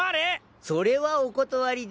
それはお断りです。